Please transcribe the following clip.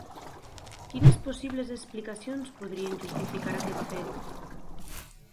Quines possibles explicacions podrien justificar aquest fet?